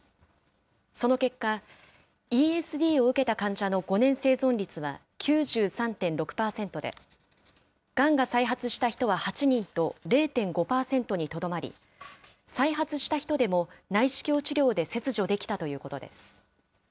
その結果、ＥＳＤを受けた患者の５年生存率は９３．６％で、がんが再発した人は８人と０．５％にとどまり、再発した人でも内視鏡治療で切除できたということです。